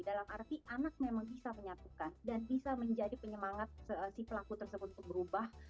dalam arti anak memang bisa menyatukan dan bisa menjadi penyemangat si pelaku tersebut untuk berubah